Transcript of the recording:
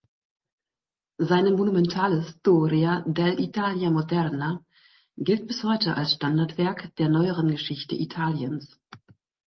Seine monumentale "Storia dell’Italia moderna" gilt bis heute als Standardwerk der Neueren Geschichte Italiens.